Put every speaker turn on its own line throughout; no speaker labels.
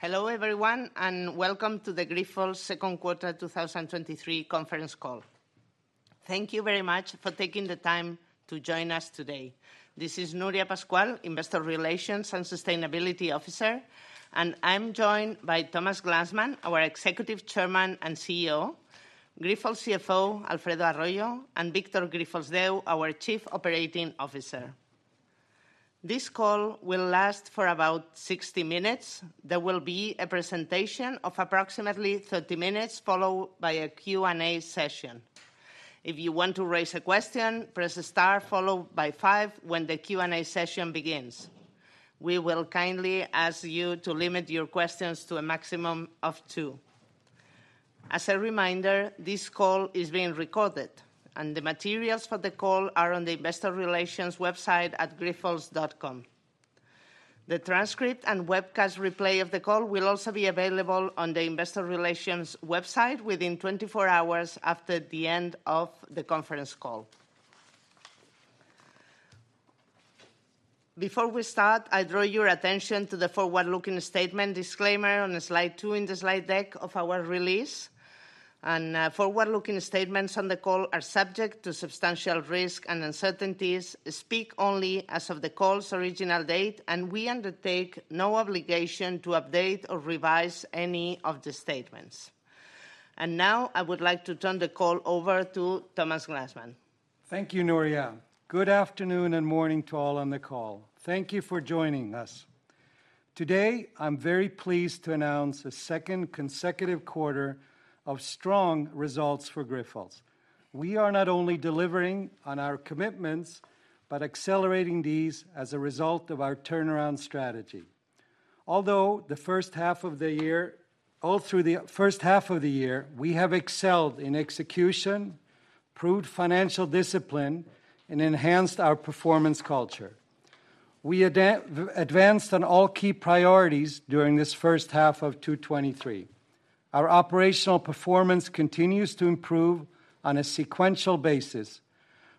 Hello everyone, welcome to the Grifols second quarter 2023 conference call. Thank you very much for taking the time to join us today. This is Núria Pascual, Investor Relations and Sustainability Officer, and I'm joined by Thomas Glanzmann, our Executive Chairman and CEO, Grifols CFO, Alfredo Arroyo, and Victor Grífols Deu, our Chief Operating Officer. This call will last for about 60 minutes. There will be a presentation of approximately 30 minutes, followed by a Q&A session. If you want to raise a question, press star followed by five when the Q&A session begins. We will kindly ask you to limit your questions to a maximum of two. As a reminder, this call is being recorded, and the materials for the call are on the Investor Relations website at grifols.com. The transcript and webcast replay of the call will also be available on the Investor Relations website within 24 hours after the end of the conference call. Before we start, I draw your attention to the forward-looking statement disclaimer on slide two in the slide deck of our release. Forward-looking statements on the call are subject to substantial risk and uncertainties, speak only as of the call's original date, and we undertake no obligation to update or revise any of the statements. Now, I would like to turn the call over to Thomas Glanzmann.
Thank you, Núria. Good afternoon and morning to all on the call. Thank you for joining us. Today, I'm very pleased to announce a second consecutive quarter of strong results for Grifols. We are not only delivering on our commitments, but accelerating these as a result of our turnaround strategy. All through the first half of the year, we have excelled in execution, improved financial discipline, and enhanced our performance culture. We advanced on all key priorities during this first half of 2023. Our operational performance continues to improve on a sequential basis.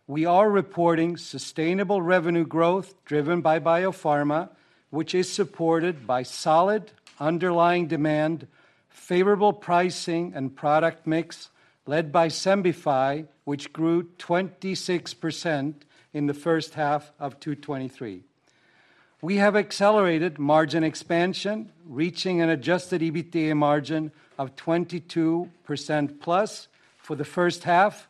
We are reporting sustainable revenue growth driven by Biopharma, which is supported by solid underlying demand, favorable pricing, and product mix, led by XEMBIFY, which grew 26% in the first half of 2023. We have accelerated margin expansion, reaching an Adjusted EBITDA margin of 22%+ for the first half,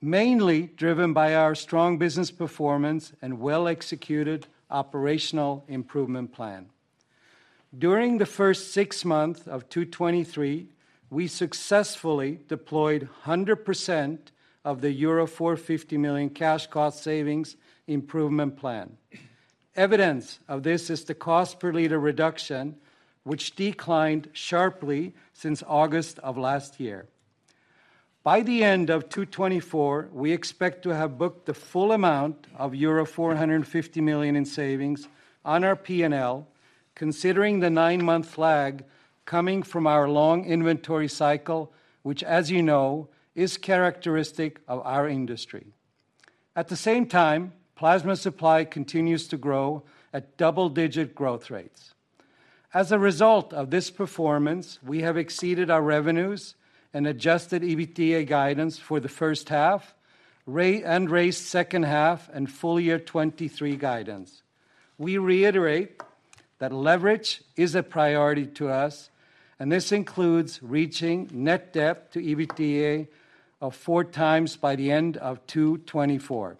mainly driven by our strong business performance and well-executed operational improvement plan. During the first six months of 2023, we successfully deployed 100% of the euro 450 million cash cost savings improvement plan. Evidence of this is the cost per liter reduction, which declined sharply since August of last year. By the end of 2024, we expect to have booked the full amount of euro 450 million in savings on our P&L, considering the nine-month lag coming from our long inventory cycle, which, as you know, is characteristic of our industry. At the same time, plasma supply continues to grow at double-digit growth rates. As a result of this performance, we have exceeded our revenues and Adjusted EBITDA guidance for the first half and raised second half and full year 2023 guidance. We reiterate that leverage is a priority to us, and this includes reaching net debt to EBITDA of four times by the end of 2024.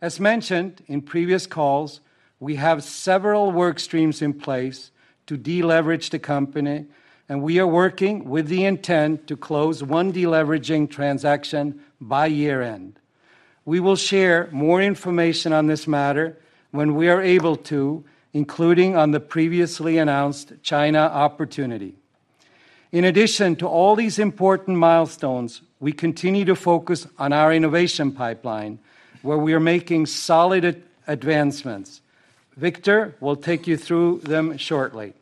As mentioned in previous calls, we have several work streams in place to deleverage the company, and we are working with the intent to close one deleveraging transaction by year-end. We will share more information on this matter when we are able to, including on the previously announced China opportunity. In addition to all these important milestones, we continue to focus on our innovation pipeline, where we are making solid advancements. Victor will take you through them shortly.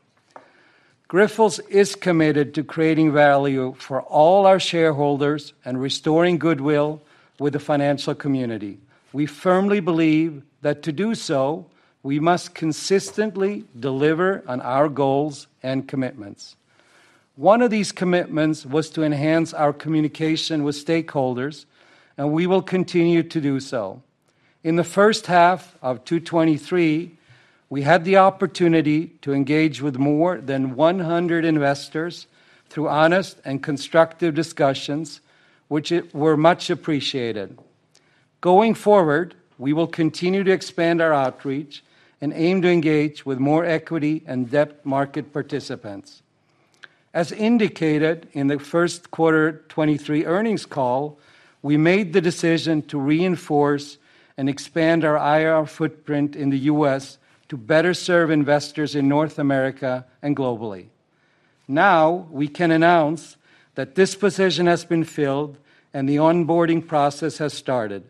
Grifols is committed to creating value for all our shareholders and restoring goodwill with the financial community. We firmly believe that to do so, we must consistently deliver on our goals and commitments. One of these commitments was to enhance our communication with stakeholders, and we will continue to do so. In the first half of 2023, we had the opportunity to engage with more than 100 investors through honest and constructive discussions, which were much appreciated. Going forward, we will continue to expand our outreach and aim to engage with more equity and debt market participants. As indicated in the first quarter 2023 earnings call, we made the decision to reinforce and expand our IR footprint in the US to better serve investors in North America and globally. Now, we can announce that this position has been filled and the onboarding process has started.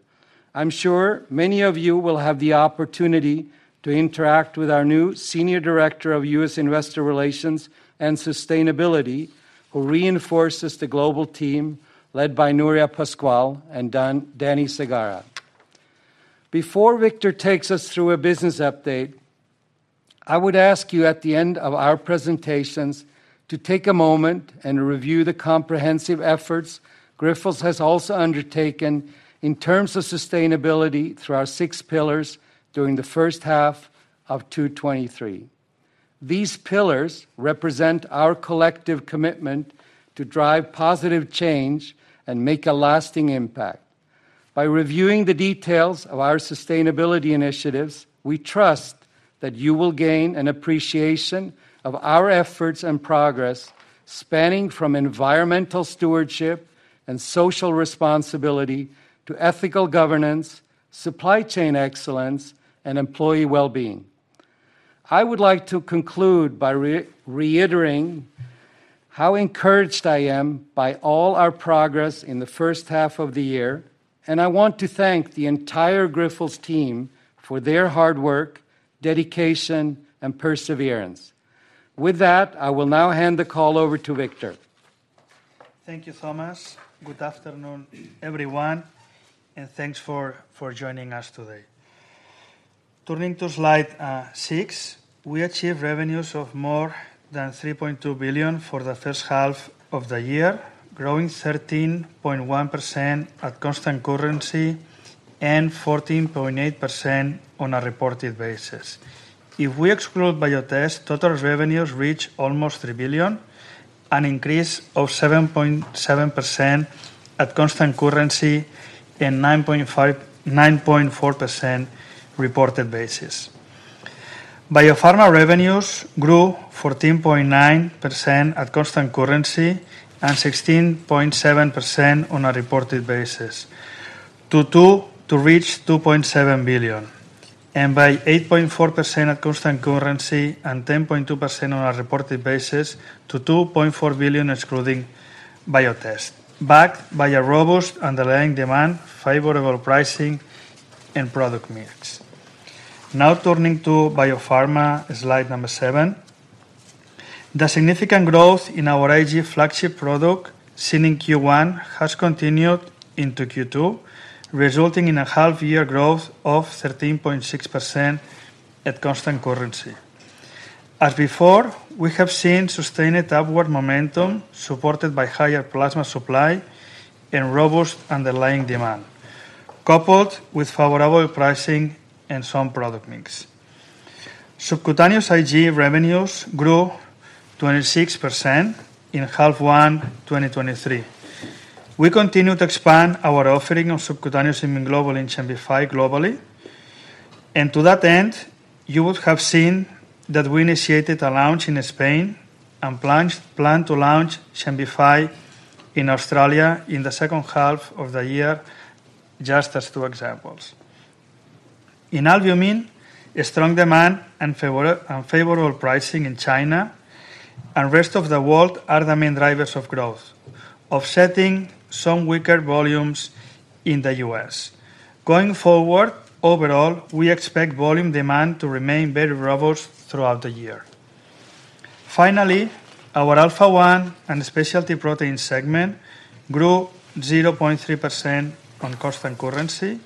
I'm sure many of you will have the opportunity to interact with our new Senior Director of US Investor Relations and Sustainability, who reinforces the global team led by Núria Pascual and Dani Segarra. Before Victor takes us through a business update, I would ask you, at the end of our presentations, to take a moment and review the comprehensive efforts Grifols has also undertaken in terms of sustainability through our six pillars during the first half of 2023. These pillars represent our collective commitment to drive positive change and make a lasting impact. By reviewing the details of our sustainability initiatives, we trust that you will gain an appreciation of our efforts and progress, spanning from environmental stewardship and social responsibility to ethical governance, supply chain excellence, and employee well-being. I would like to conclude by reiterating how encouraged I am by all our progress in the first half of the year. I want to thank the entire Grifols team for their hard work, dedication, and perseverance. With that, I will now hand the call over to Victor.
Thank you, Thomas. Good afternoon, everyone, and thanks for joining us today. Turning to slide six, we achieved revenues of more than 3.2 billion for the first half of the year, growing 13.1% at constant currency and 14.8% on a reported basis. If we exclude Biotest, total revenues reach almost 3 billion, an increase of 7.7% at constant currency and 9.4% reported basis. Biopharma revenues grew 14.9% at constant currency and 16.7% on a reported basis, to reach 2.7 billion, and by 8.4% at constant currency and 10.2% on a reported basis to 2.4 billion, excluding Biotest, backed by a robust underlying demand, favorable pricing, and product mix. Now, turning to Biopharma, slide number seven. The significant growth in our IG flagship product seen in Q1 has continued into Q2, resulting in a half-year growth of 13.6% at constant currency. As before, we have seen sustained upward momentum, supported by higher plasma supply and robust underlying demand, coupled with favorable pricing and strong product mix. Subcutaneous IG revenues grew 26% in half 1, 2023. We continue to expand our offering of subcutaneous immune global in XEMBIFY globally. To that end, you would have seen that we initiated a launch in Spain and planned to launch XEMBIFY in Australia in the second half of the year, just as two examples. In albumin, a strong demand and favorable pricing in China and rest of the world are the main drivers of growth, offsetting some weaker volumes in the U.S. Going forward, overall, we expect volume demand to remain very robust throughout the year. Finally, our Alpha-1 and Specialty Proteins segment grew 0.3% on constant currency,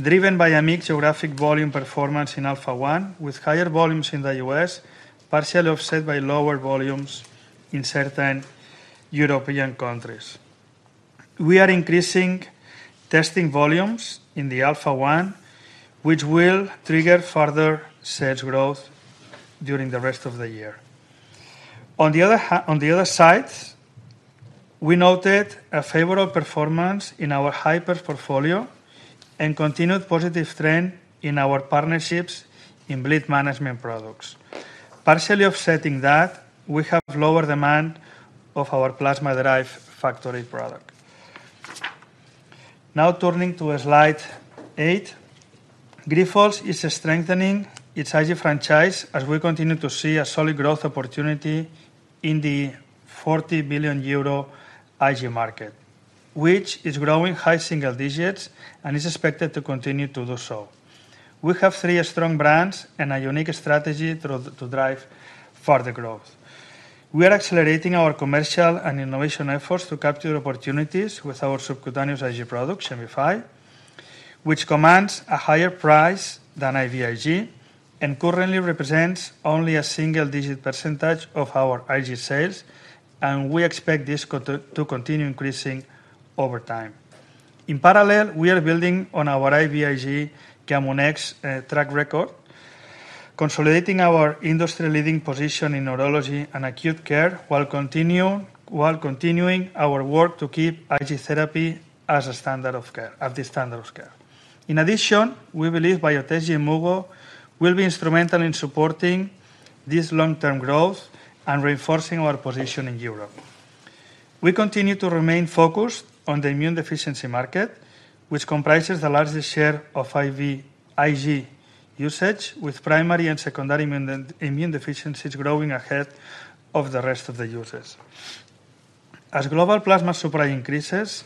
driven by a mixed geographic volume performance in Alpha-1, with higher volumes in the US, partially offset by lower volumes in certain European countries. We are increasing testing volumes in the Alpha-1, which will trigger further sales growth during the rest of the year. On the other side, we noted a favorable performance in our hyper portfolio and continued positive trend in our partnerships in blood management products. Partially offsetting that, we have lower demand of our plasma-derived factor product. Turning to slide eight, Grifols is strengthening its IG franchise as we continue to see a solid growth opportunity in the 40 billion euro IG market, which is growing high single digits and is expected to continue to do so. We have three strong brands and a unique strategy to drive further growth. We are accelerating our commercial and innovation efforts to capture opportunities with our subcutaneous IG product, XEMBIFY, which commands a higher price than IVIg and currently represents only a single-digit % of our IG sales, we expect this to continue increasing over time. In parallel, we are building on our IVIg Gamunex track record, consolidating our industry-leading position in neurology and acute care, while continuing our work to keep Ig therapy as the standard of care. In addition, we believe Biotest and Yimmugo will be instrumental in supporting this long-term growth and reinforcing our position in Europe. We continue to remain focused on the immune deficiency market, which comprises the largest share of IVIg usage, with primary and secondary immune deficiencies growing ahead of the rest of the users. As global plasma supply increases,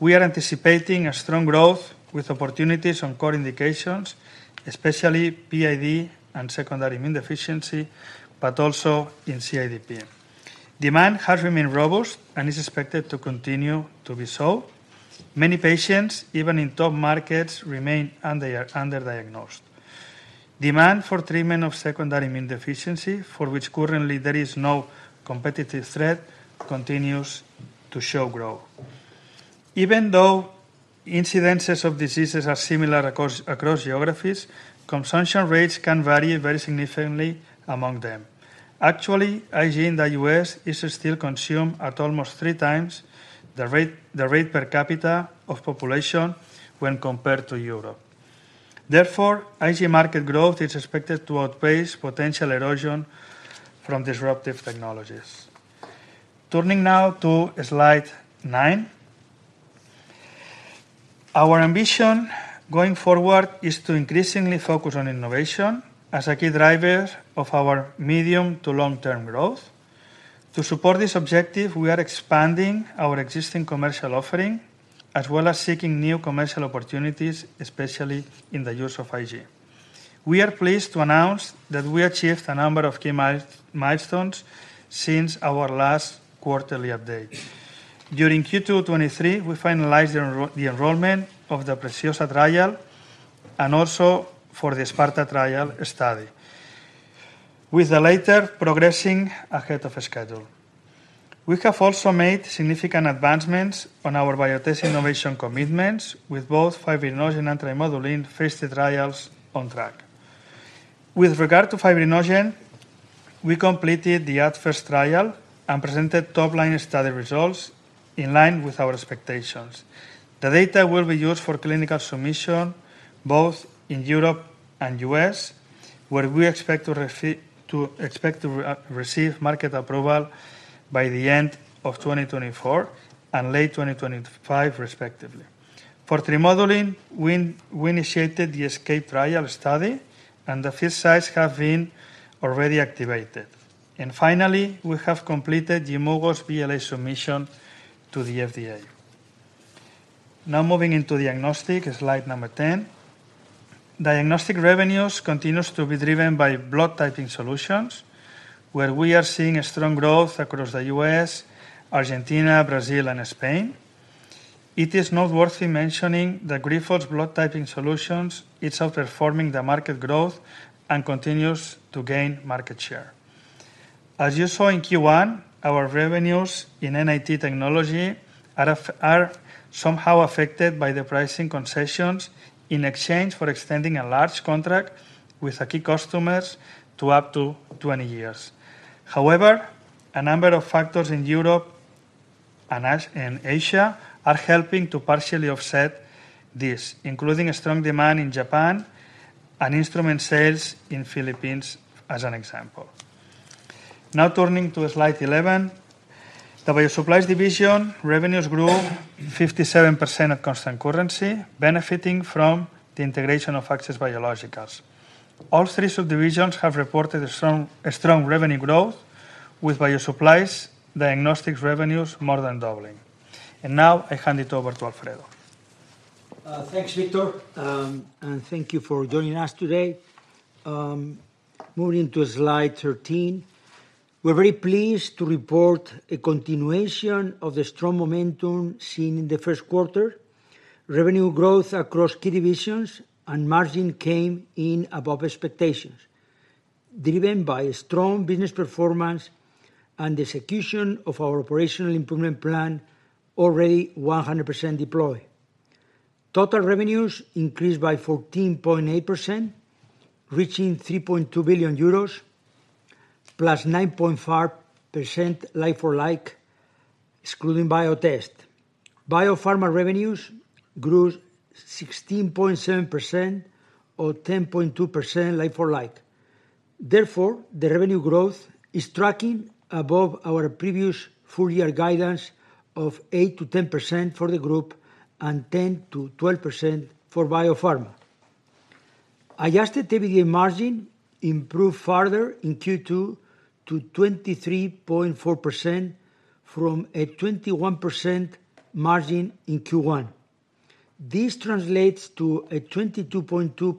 we are anticipating a strong growth with opportunities on core indications, especially PID and secondary immune deficiency, but also in CIDP. Demand has remained robust and is expected to continue to be so. Many patients, even in top markets, remain under-diagnosed. Demand for treatment of secondary immune deficiency, for which currently there is no competitive threat, continues to show growth. Even though incidences of diseases are similar across geographies, consumption rates can vary very significantly among them. Actually, IG in the US is still consumed at almost three times the rate per capita of population when compared to Europe. Therefore, IG market growth is expected to outpace potential erosion from disruptive technologies. Turning now to slide nine. Our ambition going forward is to increasingly focus on innovation as a key driver of our medium- to long-term growth. To support this objective, we are expanding our existing commercial offering, as well as seeking new commercial opportunities, especially in the use of IG. We are pleased to announce that we achieved a number of key milestones since our last quarterly update. During Q2 2023, we finalized the enrollment of the PRECIOSA trial and also for the SPARTA trial study, with the latter progressing ahead of schedule. We have also made significant advancements on our Biotest innovation commitments, with both Fibrinogen and Trimodulin Phase III trials on track. With regard to fibrinogen, we completed the AdFIrst trial and presented top-line study results in line with our expectations. The data will be used for clinical submission, both in Europe and U.S., where we expect to receive market approval by the end of 2024 and late 2025, respectively. For Trimodulin, we initiated the ESCAPE trial study, and the first sites have been already activated. Finally, we have completed Yimmugo's BLA submission to the FDA. Moving into diagnostic, slide number 10. Diagnostic revenues continues to be driven by blood typing solutions, where we are seeing a strong growth across the U.S., Argentina, Brazil, and Spain. It is not worthy mentioning, the Grifols blood typing solutions is outperforming the market growth and continues to gain market share. As you saw in Q1, our revenues in NAT technology are somehow affected by the pricing concessions in exchange for extending a large contract with a key customers to up to 20 years. However, a number of factors in Europe and Asia are helping to partially offset this, including a strong demand in Japan and instrument sales in Philippines, as an example. Now, turning to slide 11. The Bio Supplies division revenues grew 57% at constant currency, benefiting from the integration of Access Biologicals. All three subdivisions have reported a strong revenue growth, with Bio Supplies diagnostics revenues more than doubling. Now I hand it over to Alfredo.
Thanks, Victor, and thank you for joining us today. Moving to slide 13. We're very pleased to report a continuation of the strong momentum seen in the first quarter. Revenue growth across key divisions and margin came in above expectations, driven by a strong business performance and the execution of our operational improvement plan, already 100% deployed. Total revenues increased by 14.8%, reaching EUR 3.2 billion, +9.5% like-for-like, excluding Biotest. Biopharma revenues grew 16.7% or 10.2% like-for-like. The revenue growth is tracking above our previous full-year guidance of 8%-10% for the group and 10%-12% for Biopharma. Adjusted EBITDA margin improved further in Q2 to 23.4% from a 21% margin in Q1. This translates to a 22.2%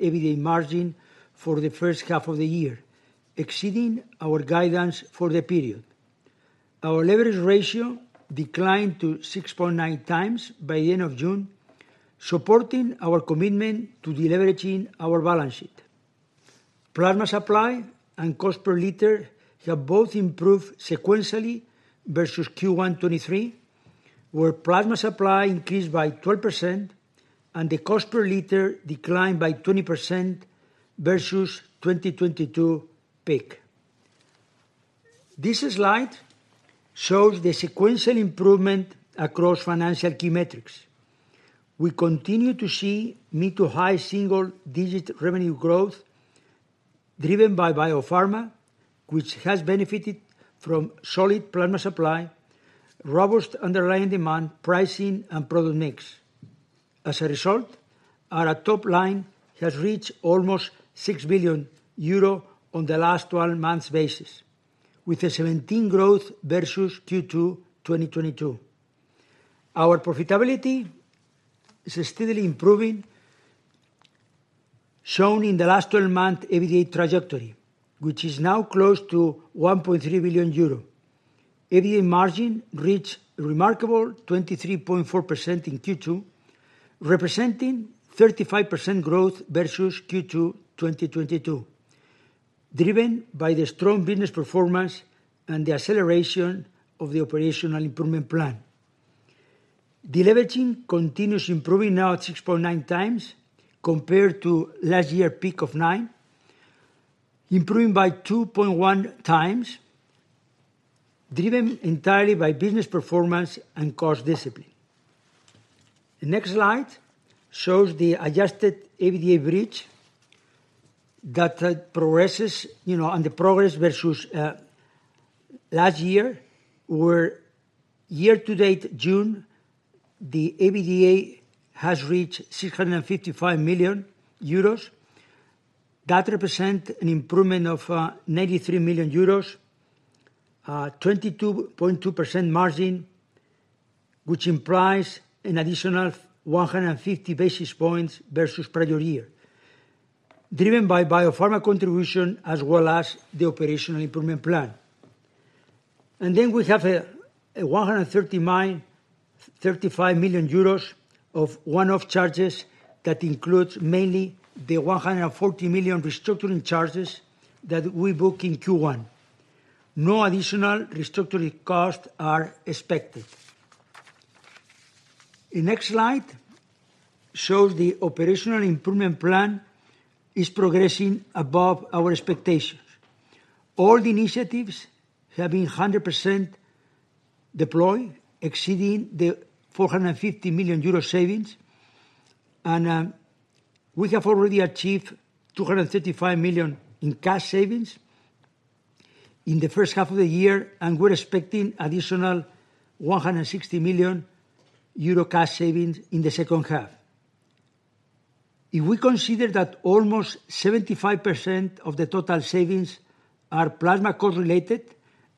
EBITDA margin for the first half of the year, exceeding our guidance for the period. Our leverage ratio declined to 6.9 times by the end of June, supporting our commitment to deleveraging our balance sheet. Plasma supply and cost per liter have both improved sequentially versus Q1 2023, where plasma supply increased by 12% and the cost per liter declined by 20% versus 2022 peak. This slide shows the sequential improvement across financial key metrics. We continue to see mid-to high single-digit revenue growth, driven by Biopharma, which has benefited from solid plasma supply, robust underlying demand, pricing, and product mix. As a result, our top line has reached almost 6 billion euro on the last 12 months basis, with a 17 growth versus Q2 2022. Our profitability is still improving. Shown in the last 12-month EBITDA trajectory, which is now close to 1.3 billion euro. EBITDA margin reached a remarkable 23.4% in Q2, representing 35% growth versus Q2 2022, driven by the strong business performance and the acceleration of the operational improvement plan. Deleveraging continues improving now at 6.9x, compared to last year peak of nine, improving by 2.1x, driven entirely by business performance and cost discipline. The next slide shows the Adjusted EBITDA bridge that progresses, you know, and the progress versus last year, where year-to-date, June, the EBITDA has reached 655 million euros. That represent an improvement of 93 million euros, 22.2% margin, which implies an additional 150 basis points versus prior year, driven by Biopharma contribution as well as the operational improvement plan. We have a 135 million euros of one-off charges that includes mainly the 140 million restructuring charges that we book in Q1. No additional restructuring costs are expected. The next slide shows the operational improvement plan is progressing above our expectations. All the initiatives have been 100% deployed, exceeding the 450 million euro savings. We have already achieved 235 million in cash savings in the first half of the year, and we're expecting additional 160 million euro cash savings in the second half. If we consider that almost 75% of the total savings are plasma cost related,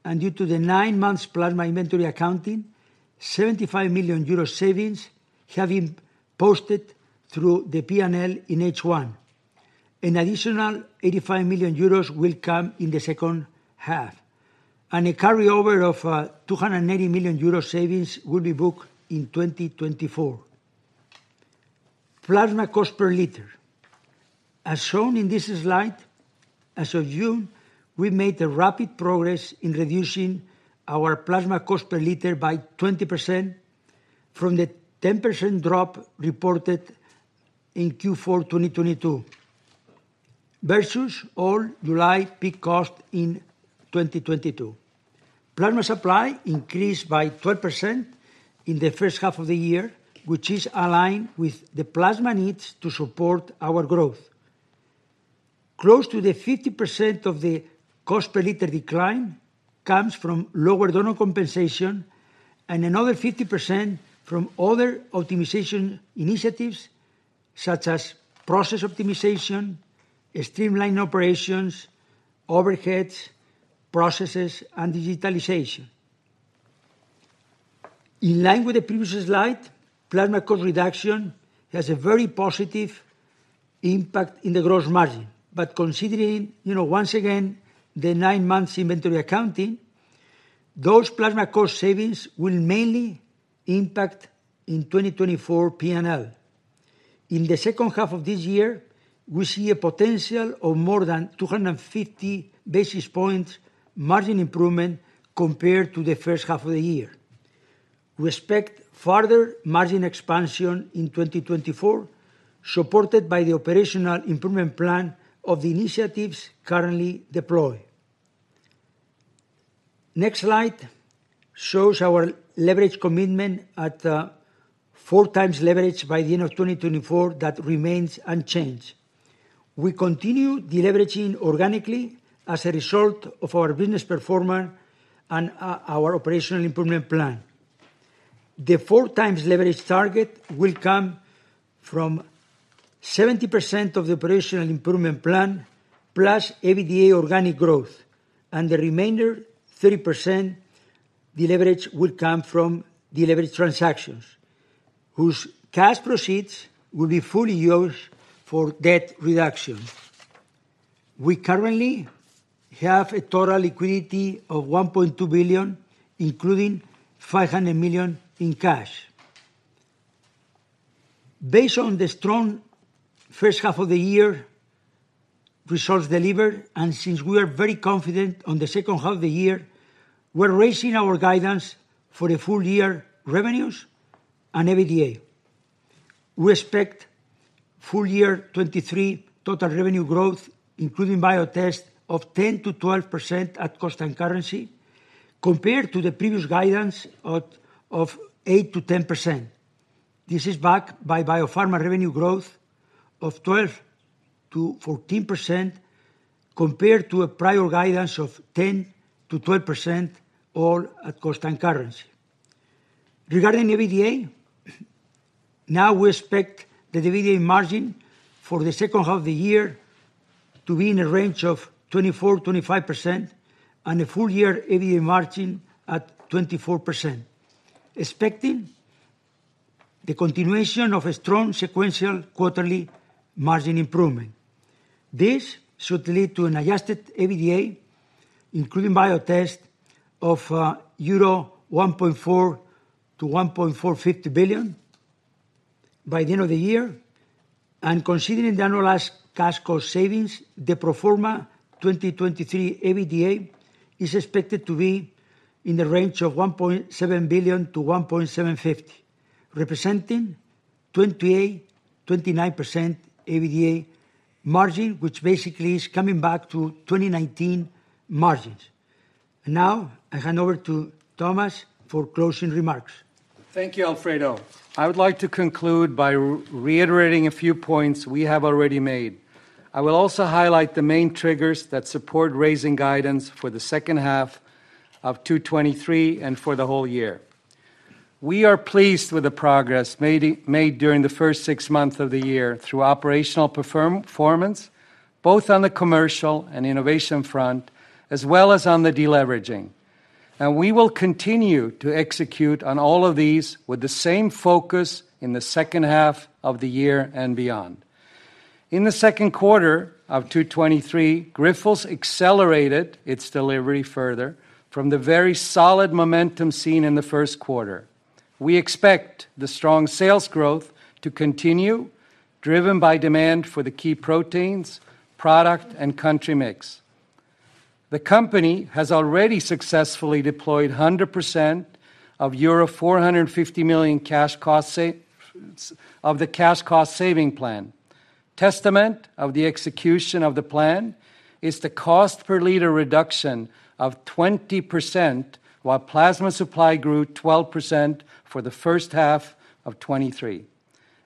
and due to the nine months plasma inventory accounting, 75 million euro savings have been posted through the P&L in H1. An additional 85 million euros will come in the second half, and a carryover of 280 million euros savings will be booked in 2024. Plasma cost per liter. As shown in this slide, as of June, we made a rapid progress in reducing our plasma cost per liter by 20% from the 10% drop reported in Q4 2022, versus all July peak cost in 2022. Plasma supply increased by 12% in the first half of the year, which is aligned with the plasma needs to support our growth. Close to the 50% of the cost per liter decline comes from lower donor compensation, and another 50% from other optimization initiatives, such as process optimization, streamlined operations, overheads, processes, and digitalization. In line with the previous slide, plasma cost reduction has a very positive impact in the gross margin. Considering, you know, once again, the nine months inventory accounting, those plasma cost savings will mainly impact in 2024 P&L. In the second half of this year, we see a potential of more than 250 basis points margin improvement compared to the first half of the year. We expect further margin expansion in 2024, supported by the operational improvement plan of the initiatives currently deployed. Next slide shows our leverage commitment at 4x leverage by the end of 2024, that remains unchanged. We continue deleveraging organically as a result of our business performance and our operational improvement plan. The 4x leverage target will come from 70% of the operational improvement plan, plus EBITDA organic growth, and the remainder, 30%, the leverage will come from delivery transactions, whose cash proceeds will be fully used for debt reduction. We currently have a total liquidity of $1.2 billion, including $500 million in cash. Based on the strong first half of the year results delivered, and since we are very confident on the second half of the year, we're raising our guidance for the full year revenues and EBITDA. We expect full year 2023 total revenue growth, including Biotest, of 10%-12% at constant currency, compared to the previous guidance of 8%-10%. This is backed by Biopharma revenue growth of 12%-14%, compared to a prior guidance of 10%-12%, all at constant currency. Regarding EBITDA, now we expect the EBITDA margin for the second half of the year to be in a range of 24%-25%, and a full year EBITDA margin at 24%, expecting the continuation of a strong sequential quarterly margin improvement. This should lead to an Adjusted EBITDA, including Biotest, of 1.4 billion-1.45 billion by the end of the year. Considering the annualized cash cost savings, the pro forma 2023 EBITDA is expected to be in the range of 1.7 billion-1.75 billion, representing 28%-29% EBITDA margin, which basically is coming back to 2019 margins. Now, I hand over to Thomas for closing remarks.
Thank you, Alfredo. I would like to conclude by reiterating a few points we have already made. I will also highlight the main triggers that support raising guidance for the second half of 2023 and for the whole year. We are pleased with the progress made during the first six months of the year through operational performance, both on the commercial and innovation front, as well as on the deleveraging. We will continue to execute on all of these with the same focus in the second half of the year and beyond. In the second quarter of 2023, Grifols accelerated its delivery further from the very solid momentum seen in the first quarter. We expect the strong sales growth to continue, driven by demand for the key proteins, product, and country mix. The company has already successfully deployed 100% of euro 450 million cash cost saving plan. Testament of the execution of the plan is the cost per liter reduction of 20%, while plasma supply grew 12% for the first half of 2023.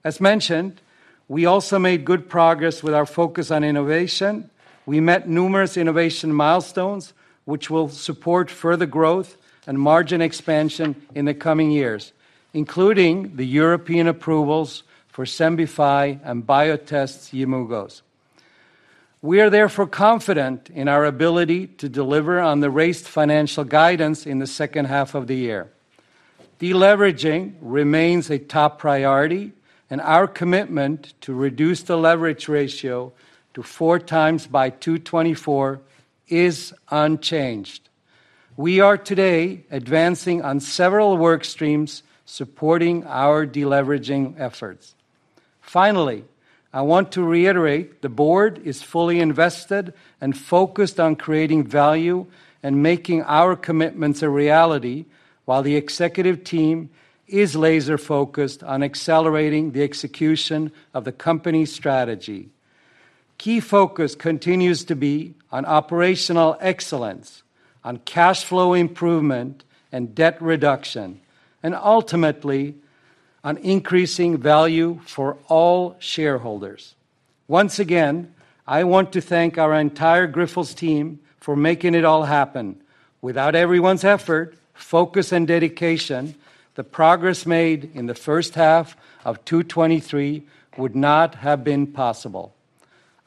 As mentioned, we also made good progress with our focus on innovation. We met numerous innovation milestones, which will support further growth and margin expansion in the coming years, including the European approvals for XEMBIFY and Biotest's Yimmugo. We are confident in our ability to deliver on the raised financial guidance in the second half of the year. Deleveraging remains a top priority. Our commitment to reduce the leverage ratio to four times by 2024 is unchanged. We are today advancing on several work streams, supporting our deleveraging efforts. Finally, I want to reiterate, the board is fully invested and focused on creating value and making our commitments a reality, while the executive team is laser focused on accelerating the execution of the company's strategy. Key focus continues to be on operational excellence, on cash flow improvement and debt reduction, and ultimately, on increasing value for all shareholders. Once again, I want to thank our entire Grifols team for making it all happen. Without everyone's effort, focus, and dedication, the progress made in the first half of 2023 would not have been possible.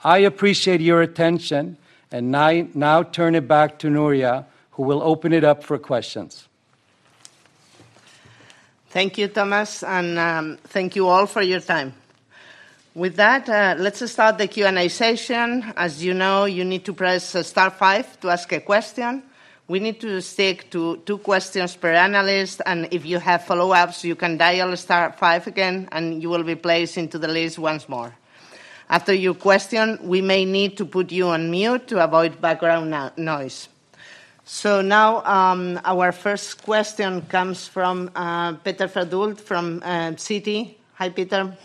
I appreciate your attention and I now turn it back to Núria, who will open it up for questions.
Thank you, Thomas, and thank you all for your time. With that, let's start the Q&A session. As you know, you need to press star five to ask a question. We need to stick to two questions per analyst, and if you have follow-ups, you can dial star five again, and you will be placed into the list once more. After your question, we may need to put you on mute to avoid background noise. Now, our first question comes from Peter Verdult from Citigroup. Hi, Peter.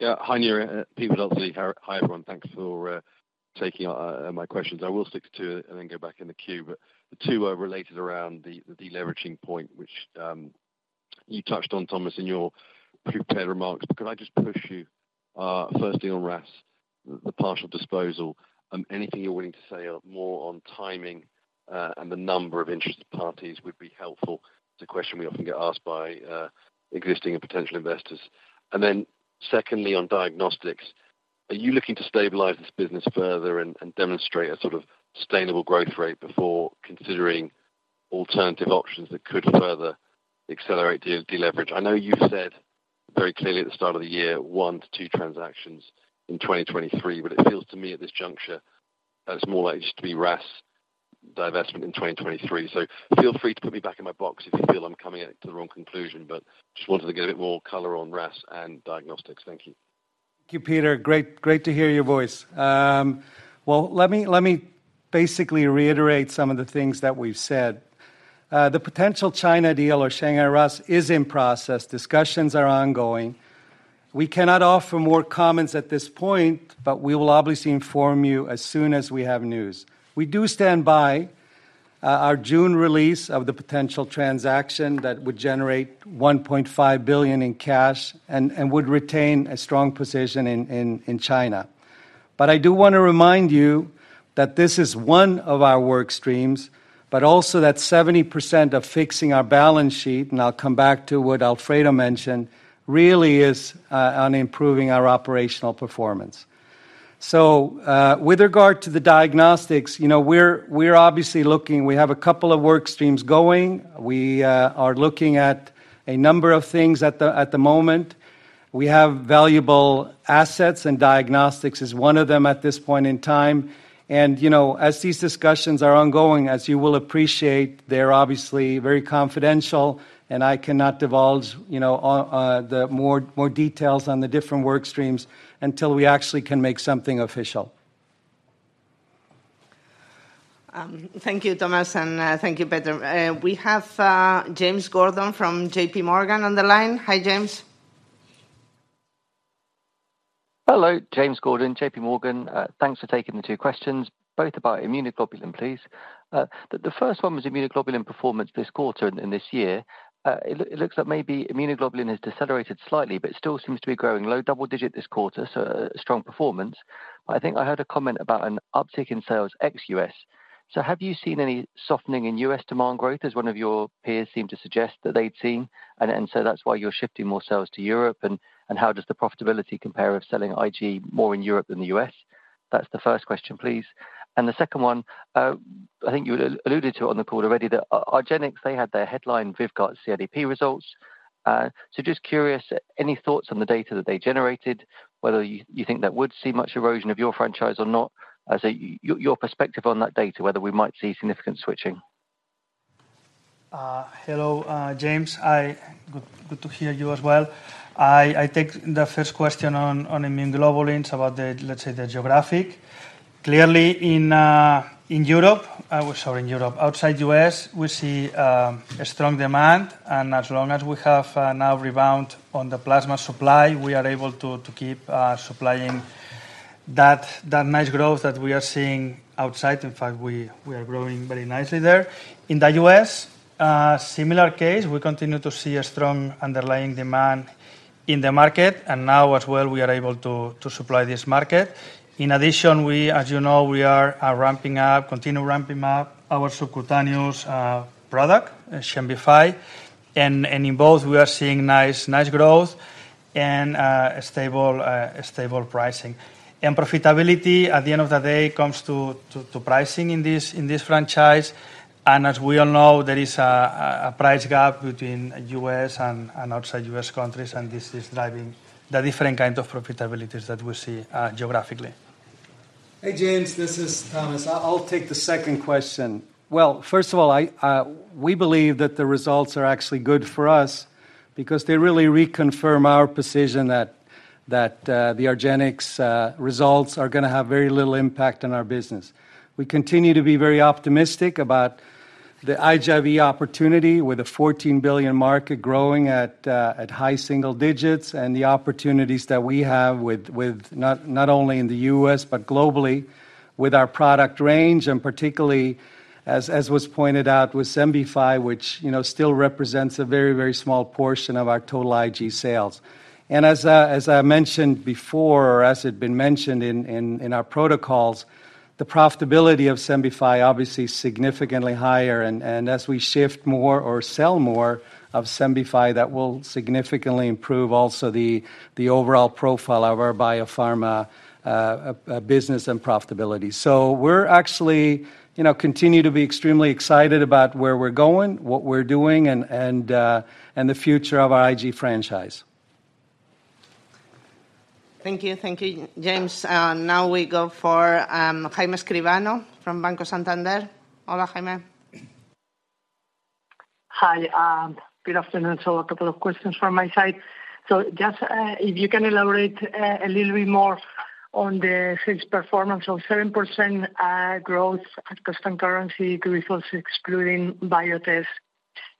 Yeah, hi, Núria. Peter Verdult. Hi, everyone. Thanks for taking my questions. I will stick to two and then go back in the queue. The two are related around the deleveraging point, which you touched on, Thomas, in your prepared remarks. Could I just push you, firstly on RAAS, the partial disposal, anything you're willing to say more on timing, and the number of interested parties would be helpful. It's a question we often get asked by existing and potential investors. Secondly, on diagnostics, are you looking to stabilize this business further and demonstrate a sort of sustainable growth rate before considering alternative options that could further accelerate the deleverage? I know you said very clearly at the start of the year, one to two transactions in 2023, but it feels to me at this juncture that it's more likely to be RAAS divestment in 2023. Feel free to put me back in my box if you feel I'm coming at it to the wrong conclusion, just wanted to get a bit more color on RAAS and diagnostics. Thank you.
Thank you, Peter. Great to hear your voice. Well, let me basically reiterate some of the things that we've said. The potential China deal or Shanghai RAAS is in process. Discussions are ongoing. We cannot offer more comments at this point, but we will obviously inform you as soon as we have news. We do stand by our June release of the potential transaction that would generate $1.5 billion in cash and would retain a strong position in China. I do want to remind you that this is one of our work streams, but also that 70% of fixing our balance sheet, and I'll come back to what Alfredo mentioned, really is on improving our operational performance. With regard to the diagnostics, you know, we're obviously looking. We have a couple of work streams going. We are looking at a number of things at the moment. We have valuable assets, and diagnostics is one of them at this point in time. You know, as these discussions are ongoing, as you will appreciate, they're obviously very confidential, and I cannot divulge, you know, on the more details on the different work streams until we actually can make something official.
Thank you, Thomas, and thank you, Peter. We have James Gordon from J.P. Morgan on the line. Hi, James.
Hello, James Gordon, J.P. Morgan. Thanks for taking the two questions, both about immunoglobulin, please. The first one was immunoglobulin performance this quarter and this year. It looks like maybe immunoglobulin has decelerated slightly, but still seems to be growing low double digit this quarter, so a strong performance. I think I heard a comment about an uptick in sales ex-U.S. Have you seen any softening in U.S. demand growth, as one of your peers seemed to suggest that they'd seen, and so that's why you're shifting more sales to Europe? How does the profitability compare of selling IG more in Europe than the U.S.? That's the first question, please. The second one, I think you alluded to it on the call already, that Argenx, they had their headline VYVGART/CIDP results. Just curious, any thoughts on the data that they generated, whether you think that would see much erosion of your franchise or not? Your perspective on that data, whether we might see significant switching.
Hello, James. Good to hear you as well. I take the first question on immunoglobulins about the geographic. Clearly, in Europe, Outside U.S., we see a strong demand, as long as we have now rebound on the plasma supply, we are able to keep supplying that nice growth that we are seeing outside. In fact, we are growing very nicely there. In the U.S., similar case, we continue to see a strong underlying demand in the market, now as well, we are able to supply this market. In addition, we, as you know, we are ramping up, continue ramping up our subcutaneous product, XEMBIFY, and in both, we are seeing nice growth and a stable pricing. Profitability, at the end of the day, comes to pricing in this franchise, and as we all know, there is a price gap between U.S. and outside U.S. countries, and this is driving the different kind of profitabilities that we see geographically.
Hey, James, this is Thomas. I'll take the second question. Well, first of all, I, we believe that the results are actually good for us because they really reconfirm our position that, the Argenx results are gonna have very little impact on our business. We continue to be very optimistic about the IGIV opportunity with a $14 billion market growing at high single digits and the opportunities that we have with not only in the US, but globally with our product range, and particularly, as was pointed out with XEMBIFY, which, you know, still represents a very, very small portion of our total IG sales. As I mentioned before, or as had been mentioned in our protocols, the profitability of XEMBIFY obviously is significantly higher, and as we shift more or sell more of XEMBIFY, that will significantly improve also the overall profile of our Biopharma business and profitability. We're actually, you know, continue to be extremely excited about where we're going, what we're doing, and the future of our IG franchise.
Thank you. Thank you, James. Now we go for Jaime Escribano from Banco Santander. Hola, Jaime.
Hi, good afternoon. Two questions from my side. Just if you can elaborate a little bit more on the sales performance of 7% growth at constant currency, we were excluding Biotest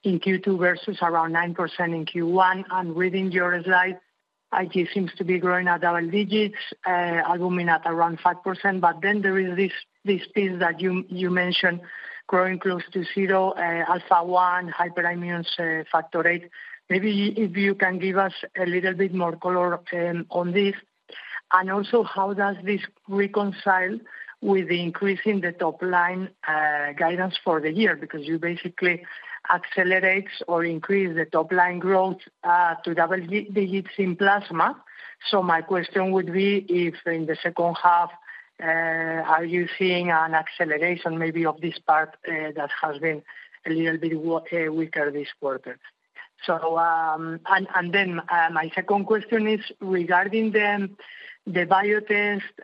in Q2 versus around 9% in Q1. Within your slide, IG seems to be growing at double digits, albumin at around 5%. There is this piece that you mentioned growing close to zero, Alpha-1, hyperimmune, factor VIII. Maybe if you can give us a little bit more color on this. How does this reconcile with increasing the top line guidance for the year? You basically accelerates or increase the top line growth to double digits in plasma. My question would be, if in the second half, are you seeing an acceleration maybe of this part, that has been a little bit weaker this quarter? My second question is regarding then the Biotest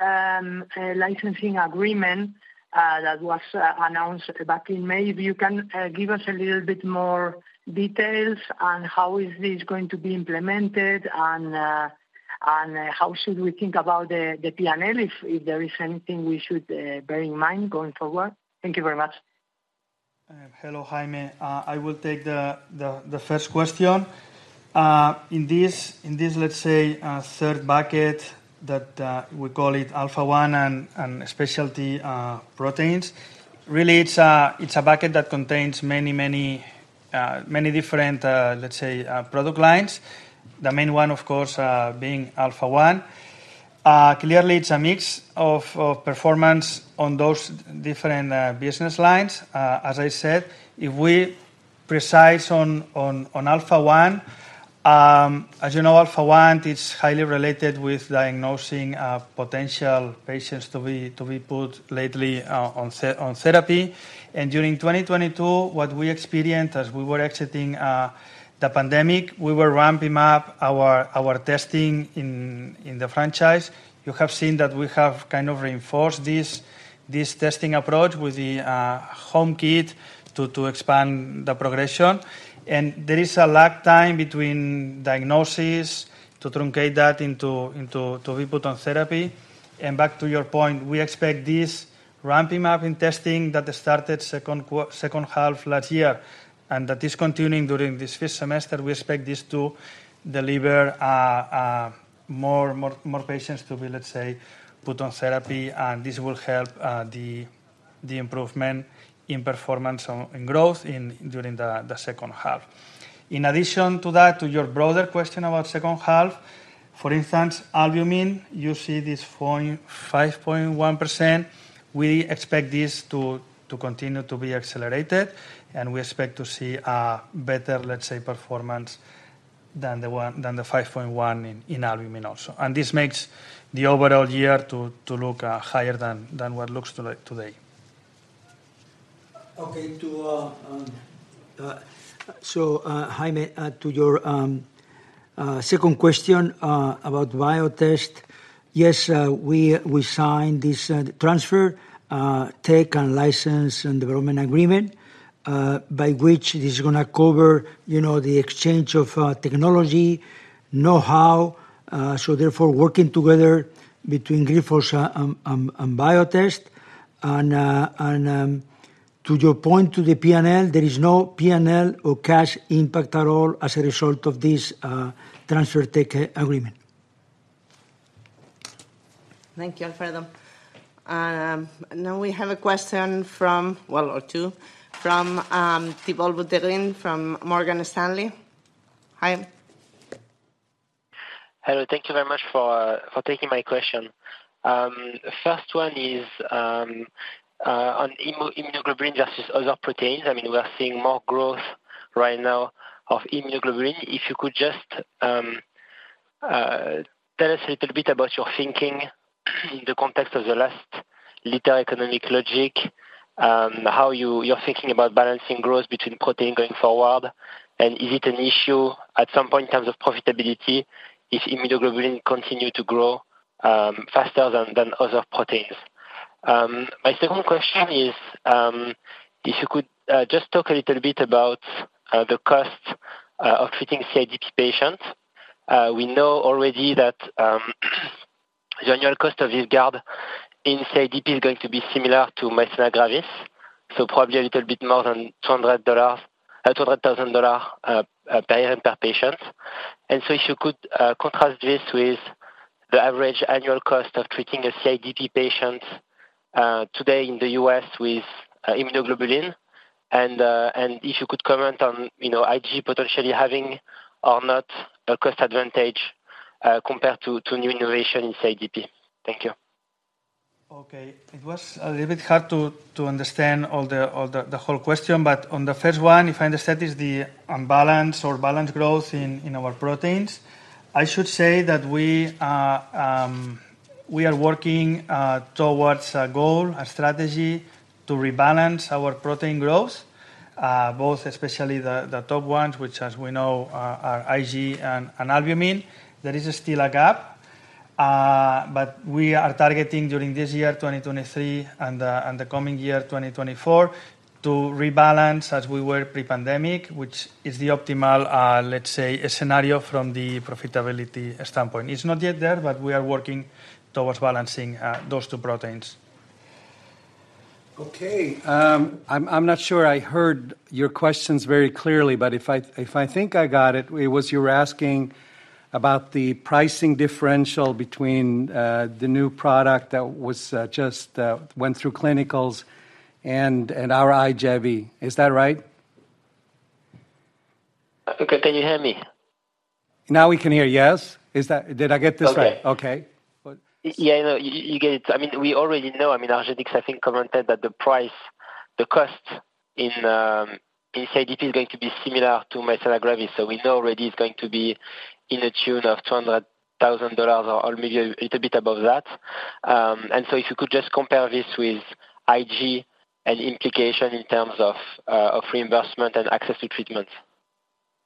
licensing agreement, that was announced back in May. If you can give us a little bit more details on how is this going to be implemented, and how should we think about the P&L, if there is anything we should bear in mind going forward? Thank you very much.
Hello, Jaime. I will take the first question. In this, let's say, third bucket, that we call it Alpha-1 and specialty proteins. Really, it's a bucket that contains many different, let's say, product lines. The main one, of course, being Alpha-1. Clearly, it's a mix of performance on those different business lines. As I said, if we precise on Alpha-1, as you know, Alpha-1 is highly related with diagnosing potential patients to be put lately on therapy. During 2022, what we experienced as we were exiting the pandemic, we were ramping up our testing in the franchise. You have seen that we have kind of reinforced this testing approach with the home kit to expand the progression. There is a lag time between diagnosis to truncate that into to be put on therapy. Back to your point, we expect this ramping up in testing that started second half last year, and that is continuing during this first semester. We expect this to deliver more patients to be, let's say, put on therapy, and this will help the improvement in performance in growth during the second half. In addition to that, to your broader question about second half, for instance, Albumin, you see this 5.1%. We expect this to continue to be accelerated, and we expect to see a better, let's say, performance than the 5.1 in albumin also. This makes the overall year to look higher than what looks today.
Okay, to Jaime, to your second question about Biotest. Yes, we signed this transfer tech and license and development agreement by which it is gonna cover, you know, the exchange of technology, know-how, therefore, working together between Grifols and Biotest. To your point, to the P&L, there is no P&L or cash impact at all as a result of this transfer tech agreement.
Thank you, Alfredo. Now we have a question from, one or two, from Thibault Boutherin from Morgan Stanley. Hi.
Hello, thank you very much for taking my question. The first one is on immunoglobulin versus other proteins. I mean, we are seeing more growth right now of immunoglobulin. If you could just tell us a little bit about your thinking in the context of the last little economic logic, how you're thinking about balancing growth between protein going forward? Is it an issue at some point in terms of profitability, if immunoglobulin continue to grow faster than other proteins? My second question is, if you could just talk a little bit about the cost of treating CIDP patients. We know already that the annual cost of VYVGART in CIDP is going to be similar to myasthenia gravis, so probably a little bit more than $100,000 per year per patient. If you could contrast this with the average annual cost of treating a CIDP patient today in the U.S. with immunoglobulin, and if you could comment on, you know, IG potentially having or not a cost advantage compared to new innovation in CIDP. Thank you.
It was a little bit hard to understand all the whole question, on the first one, if I understand, is the unbalanced or balanced growth in our proteins. I should say that we are working towards a goal, a strategy to rebalance our protein growth, both especially the top ones, which, as we know, are IG and albumin. There is still a gap, we are targeting during this year, 2023, and the coming year, 2024, to rebalance as we were pre-pandemic, which is the optimal, let's say, a scenario from the profitability standpoint. It's not yet there, we are working towards balancing those two proteins.
I'm not sure I heard your questions very clearly, but if I think I got it, it was you were asking about the pricing differential between the new product that was just went through clinicals and our IGIV. Is that right?
Okay, can you hear me?
Now we can hear you, yes. Did I get this right?
Okay.
Okay.
Yeah, no, you, you get it. I mean, we already know. I mean, Argenx, I think, commented that the price, the cost in CIDP is going to be similar to myasthenia gravis. We know already it's going to be in the tune of $200,000 or maybe a little bit above that. If you could just compare this with IG and implication in terms of reimbursement and access to treatment.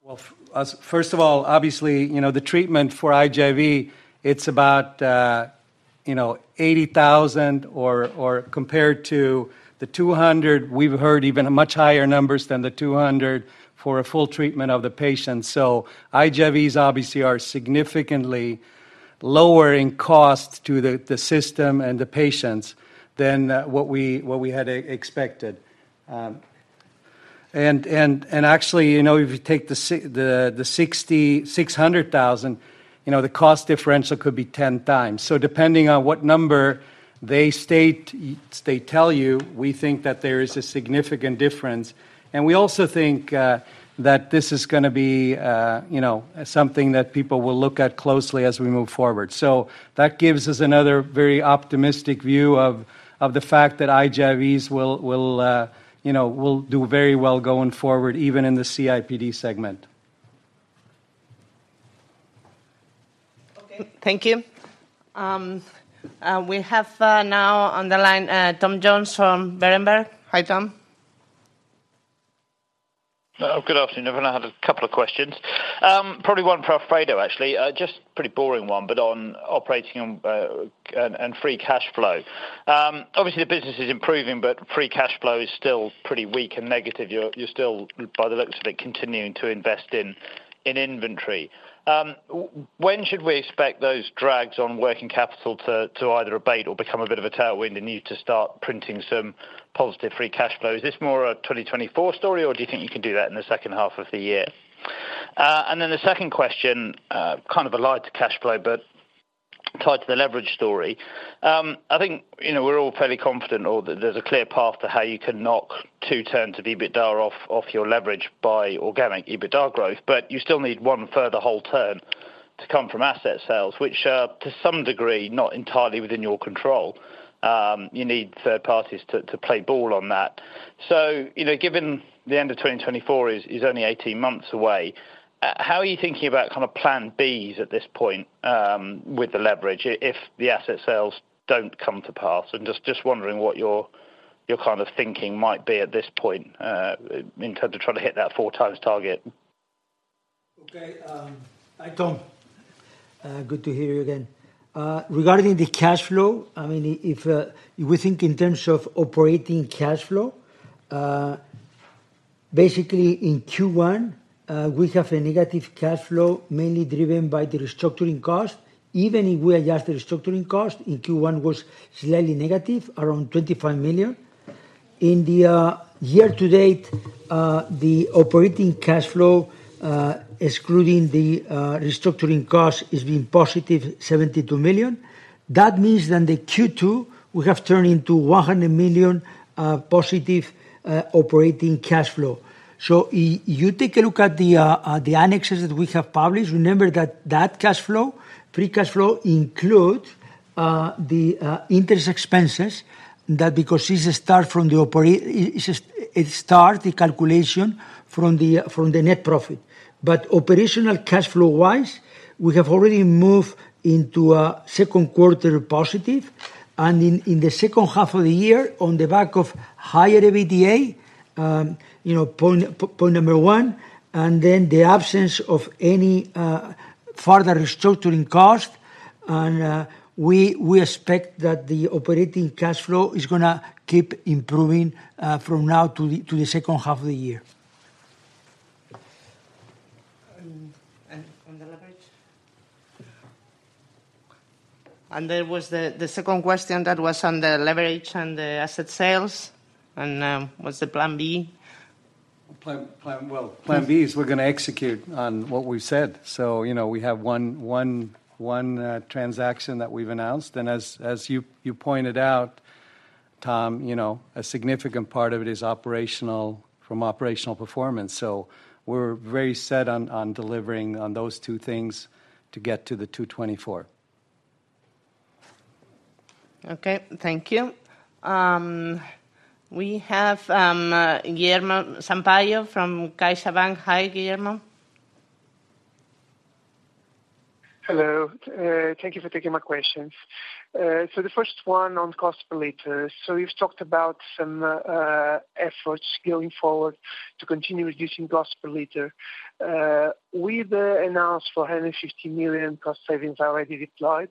Well, first of all, obviously, you know, the treatment for IGIV, it's about, you know, 80,000 or compared to the 200, we've heard even a much higher numbers than the 200 for a full treatment of the patient. IGIVs obviously are significantly lower in cost to the system and the patients than what we had expected. actually, you know, if you take the 600,000, you know, the cost differential could be 10x. Depending on what number they state, they tell you, we think that there is a significant difference. We also think that this is gonna be, you know, something that people will look at closely as we move forward. That gives us another very optimistic view of the fact that IGIVs will, you know, will do very well going forward, even in the CIDP segment.
Okay, thank you. We have now on the line, Tom Jones from Berenberg. Hi, Tom.
Good afternoon, everyone. I have a couple of questions. Probably one for Alfredo, actually. Just pretty boring one, but on operating and free cash flow. Obviously, the business is improving, free cash flow is still pretty weak and negative. You're still, by the looks of it, continuing to invest in inventory. When should we expect those drags on working capital to either abate or become a bit of a tailwind and you to start printing some positive free cash flow? Is this more a 2024 story, or do you think you can do that in the second half of the year? Then the second question, kind of allied to cash flow, but tied to the leverage story. I think, you know, we're all fairly confident or that there's a clear path to how you can knock two terms of EBITDAR off your leverage by organic EBITDAR growth. You still need one further whole term to come from asset sales, which, to some degree, not entirely within your control. You need third parties to play ball on that. You know, given the end of 2024 is only 18 months away, how are you thinking about kind of plan Bs at this point with the leverage, if the asset sales don't come to pass? I'm just wondering what your kind of thinking might be at this point in terms of trying to hit that 4x target.
Okay, hi, Tom. Good to hear you again. Regarding the cash flow, I mean, if we think in terms of operating cash flow, basically, in Q1, we have a negative cash flow, mainly driven by the restructuring cost. Even if we adjust the restructuring cost, in Q1 was slightly negative, around 25 million. In the year to date, the operating cash flow, excluding the restructuring cost, is being positive 72 million. That means that in the Q2, we have turned into 100 million positive operating cash flow. You take a look at the annexes that we have published, remember that that cash flow, free cash flow, includes the interest expenses, that because it start the calculation from the net profit. operational cash flow-wise, we have already moved into a second quarter positive, in the second half of the year, on the back of higher EBITDA, you know, point number one, then the absence of any further restructuring cost, we expect that the operating cash flow is gonna keep improving from now to the second half of the year.
On the leverage? There was the second question that was on the leverage and the asset sales, and what's the plan B?
Plan. Well, plan B is we're gonna execute on what we've said. You know, we have one transaction that we've announced, as you pointed out, Tom, you know, a significant part of it is from operational performance. We're very set on delivering on those two things to get to the 2024.
Okay, thank you. We have Guilherme Sampaio from CaixaBank. Hi, Guilherme.
Hello. Thank you for taking my questions. The first one on cost per liter. You've talked about some efforts going forward to continue reducing cost per liter. With the announced 450 million cost savings already deployed,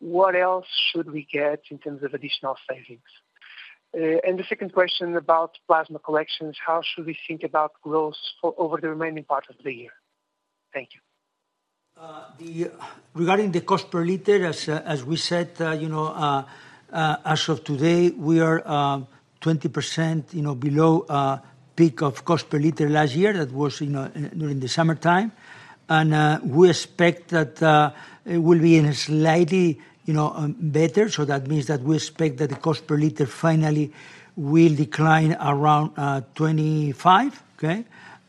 what else should we get in terms of additional savings? The second question about plasma collections, how should we think about growth for over the remaining part of the year? Thank you.
Regarding the cost per liter, as we said, you know, as of today, we are 20%, you know, below peak of cost per liter last year. That was during the summertime. We expect that it will be in a slightly, you know, better. That means that we expect that the cost per liter finally will decline around 25%, okay?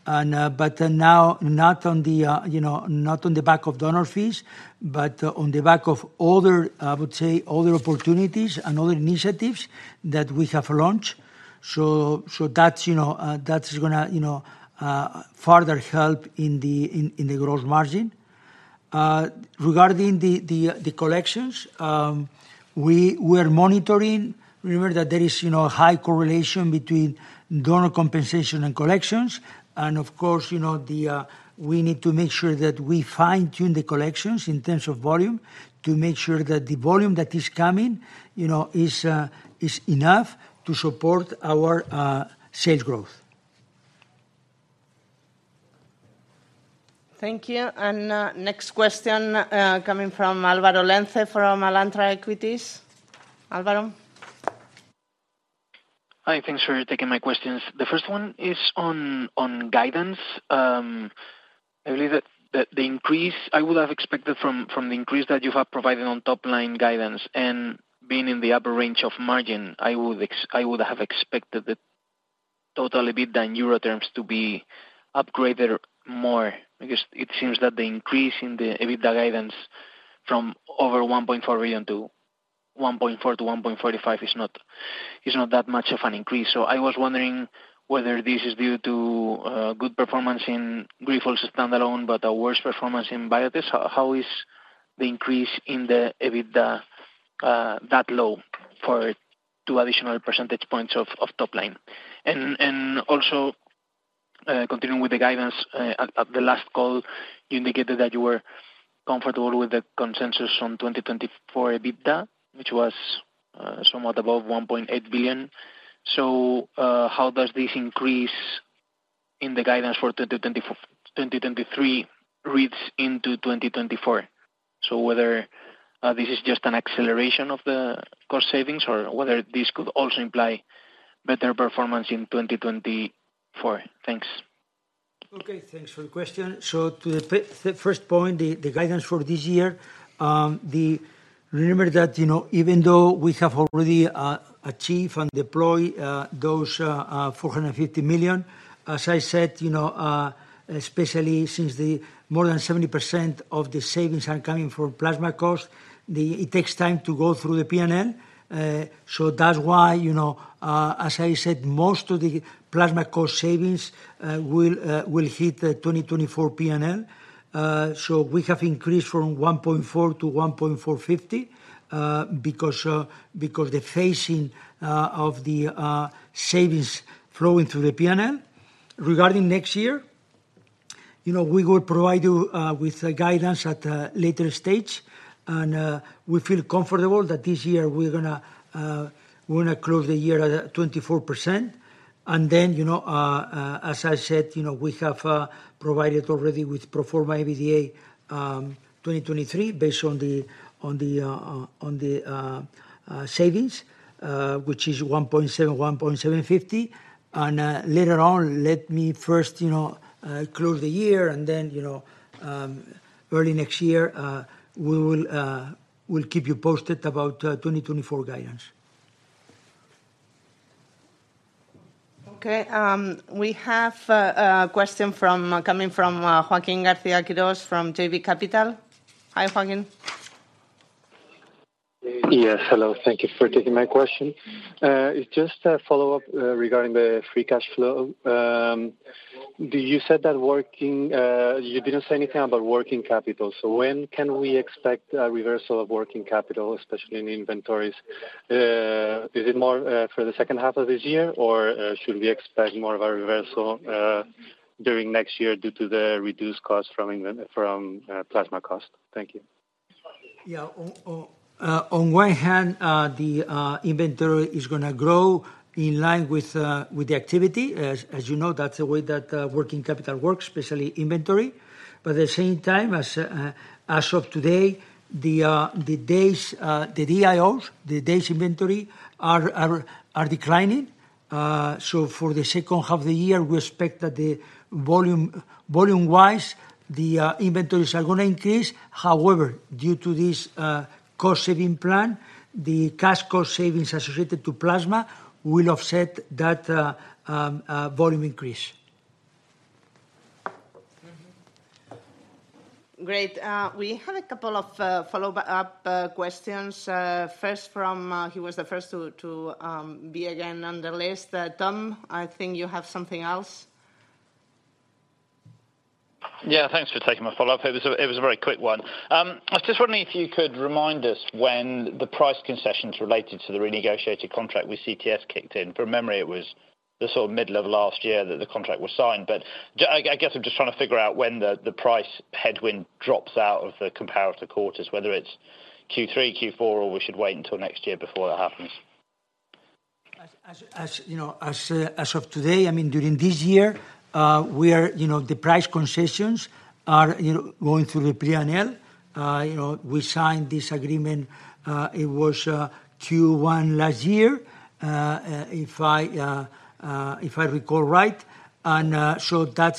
But now, not on the, you know, not on the back of donor fees, but on the back of other, I would say, other opportunities and other initiatives that we have launched. That's, you know, that's gonna, you know, further help in the growth margin. Regarding the collections, we are monitoring. Remember that there is, you know, a high correlation between donor compensation and collections, and of course, you know, we need to make sure that we fine-tune the collections in terms of volume, to make sure that the volume that is coming, you know, is enough to support our sales growth. Thank you. Next question, coming from Alvaro Lenze from Alantra Equities. Alvaro?
Hi, thanks for taking my questions. The first one is on guidance. I believe that the increase I would have expected from the increase that you have provided on top-line guidance and being in the upper range of margin, I would have expected the total EBITDA in euro terms to be upgraded more. It seems that the increase in the EBITDA guidance from over 1.4 billion to 1.45 billion is not that much of an increase. I was wondering whether this is due to good performance in Grifols standalone, but a worse performance in Biotest. How is the increase in the EBITDA that low for two additional percentage points of top line? Also, continuing with the guidance, at the last call, you indicated that you were comfortable with the consensus from 2024 EBITDA, which was somewhat above $1.8 billion. How does this increase in the guidance for 2023 reads into 2024? Whether this is just an acceleration of the cost savings or whether this could also imply better performance in 2024. Thanks.
Okay, thanks for the question. To the first point, the guidance for this year. Remember that, you know, even though we have already achieved and deployed those 450 million, as I said, you know, especially since the more than 70% of the savings are coming from plasma costs, it takes time to go through the P&L. That's why, you know, as I said, most of the plasma cost savings will hit the 2024 P&L. We have increased from 1.4 to 1.450 because the phasing of the savings flowing through the P&L. Regarding next year, you know, we will provide you with a guidance at a later stage, and we feel comfortable that this year we're gonna close the year at 24%. You know, as I said, you know, we have provided already with pro forma EBITDA 2023, based on the savings, which is 1.750. Later on, let me first, you know, close the year, and then, you know, early next year, we'll keep you posted about 2024 guidance.
Okay, we have a question coming from Joaquin Garcia-Quiros from JB Capital. Hi, Joaquin.
Yes, hello. Thank you for taking my question. It's just a follow-up regarding the free cash flow. Do you said that working, you didn't say anything about working capital, so when can we expect a reversal of working capital, especially in inventories? Is it more for the second half of this year, or should we expect more of a reversal during next year due to the reduced cost from plasma cost? Thank you.
Yeah. On one hand, the inventory is gonna grow in line with the activity. As you know, that's the way that working capital works, especially inventory. At the same time, as of today, the days, the DIO, the Days Inventory, are declining. For the second half of the year, we expect that the volume-wise, the inventories are gonna increase. However, due to this cost-saving plan, the cash cost savings associated to plasma will offset that volume increase.
Great. We have a couple of follow-up questions. First from, he was the first to be again on the list. Tom, I think you have something else?
Yeah, thanks for taking my follow-up. It was a very quick one. I was just wondering if you could remind us when the price concessions related to the renegotiated contract with CTS kicked in. From memory, it was the sort of middle of last year that the contract was signed. I guess I'm just trying to figure out when the price headwind drops out of the comparator quarters, whether it's Q3, Q4, or we should wait until next year before it happens.
As you know, as of today, I mean, during this year, we are, you know, the price concessions are, you know, going through the P&L. You know, we signed this agreement, it was Q1 last year, if I recall right. That's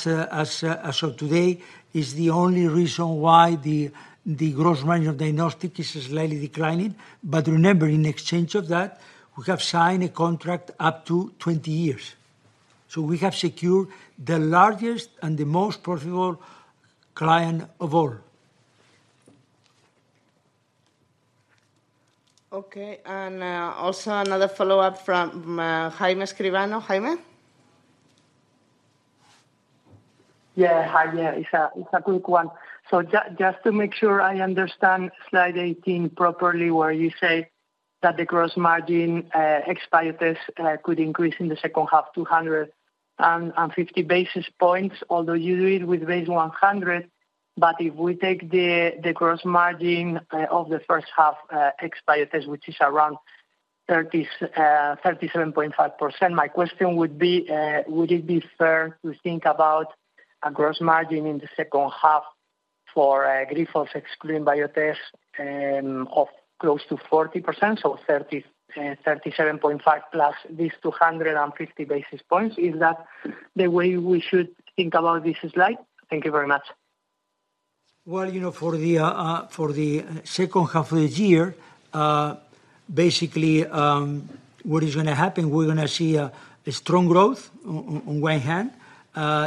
as of today, is the only reason why the gross margin of diagnostic is slightly declining. Remember, in exchange of that, we have signed a contract up to 20 years. We have secured the largest and the most profitable client of all.
Okay, also another follow-up from Jaime Escribano. Jaime?
Hi. It's a quick one. Just to make sure I understand Slide 18 properly, where you say that the gross margin ex Biotechs could increase in the second half, 250 basis points, although you do it with base 100. If we take the gross margin of the first half ex Biotechs, which is around 37.5%. My question would be, would it be fair to think about a gross margin in the second half for Grifols excluding Biotest of close to 40%, so 37.5% plus these 250 basis points? Is that the way we should think about this slide? Thank you very much.
Well, you know, for the second half of the year, basically, what is gonna happen, we're gonna see a strong growth on one hand.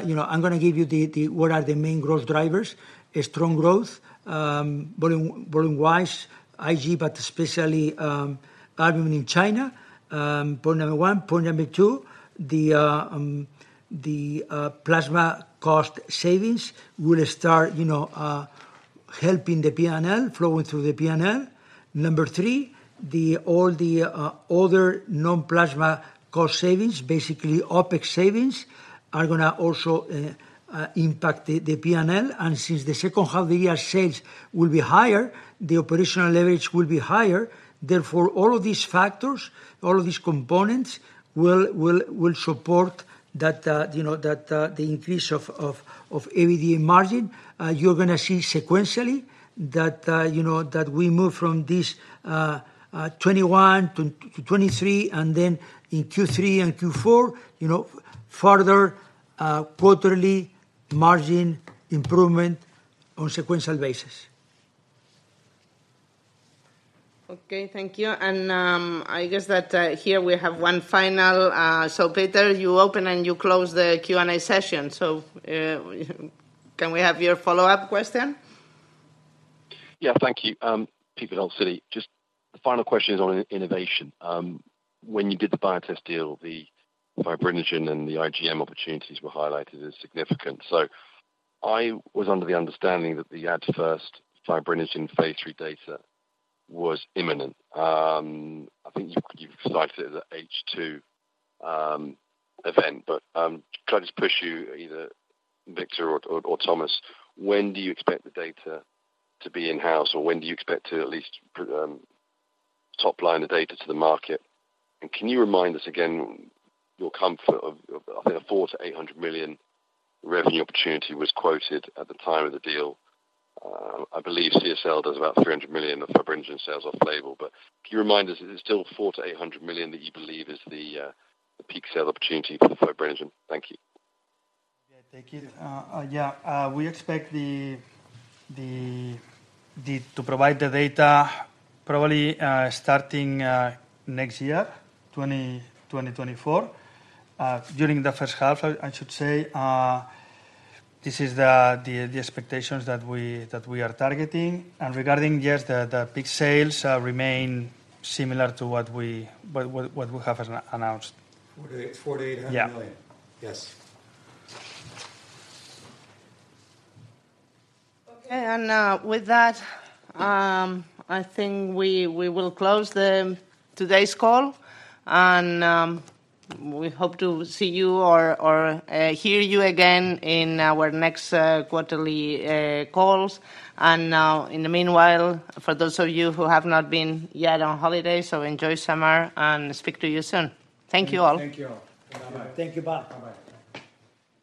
You know, I'm gonna give you what are the main growth drivers. A strong growth, volume-wise, IG, but especially, albumin in China, point 1. Point 2, the plasma cost savings will start, you know, helping the P&L, flowing through the P&L. Number 3, all the other non-plasma cost savings, basically, OpEx savings, are gonna also impact the P&L. Since the second half of the year, sales will be higher, the operational leverage will be higher. All of these factors, all of these components, will support that, you know, that the increase of EBITDA margin. You're gonna see sequentially that, you know, that we move from this 21%-23%, and then in Q3 and Q4, you know, further quarterly margin improvement on sequential basis.
Okay, thank you. I guess that here we have one final. Peter, you open and you close the Q&A session, can we have your follow-up question?
Yeah, thank you. Peter Verdult of Citi. Just the final question is on innovation. When you did the Biotest deal, the fibrinogen and the IgM opportunities were highlighted as significant. I was under the understanding that the AdFIrst fibrinogen Phase III data was imminent. I think you've cited the H2 event, but can I just push you, either Victor or Thomas, when do you expect the data to be in-house, or when do you expect to at least top line the data to the market? Can you remind us again, your comfort of, I think, a $400 million-$800 million revenue opportunity was quoted at the time of the deal. I believe CSL does about $300 million of fibrinogen sales off label, but can you remind us, is it still $400 million-$800 million that you believe is the peak sale opportunity for the fibrinogen? Thank you.
Thank you. We expect the to provide the data probably, starting next year, 2024. During the first half, I should say, this is the expectations that we are targeting. Regarding, yes, the peak sales, remain similar to what we have announced.
4-800 million.
Yeah.
Yes.
Okay, with that, I think we will close the today's call. We hope to see you or hear you again in our next quarterly calls. In the meanwhile, for those of you who have not been yet on holiday, enjoy summer and speak to you soon. Thank you, all.
Thank you, all.
Thank you, bye.
Bye-bye.